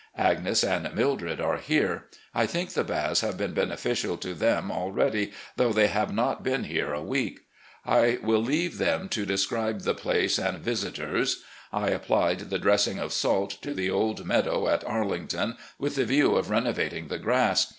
Agnes and Mildred are here. I think the baths have been beneficial to them already, though they have not been here a week. I will leave them to describe the place and visitors. I appUed the dressing of salt to the old meadow at Arlington with the view of renovating the grass.